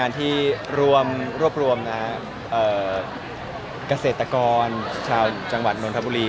บริกราโชก่อนจังหวัดมวลกระบุรี